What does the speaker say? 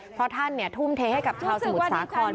เพราะท่านทุ่มเทให้กับชาวสมุทรสาคร